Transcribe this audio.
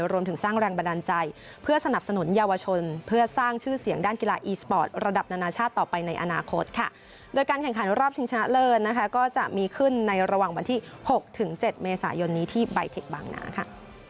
รอบชิงเฉลินนะคะก็จะมีขึ้นในระหว่างวันที่๖๗เมษายนนี้ที่ใบเทศบางนาค่ะ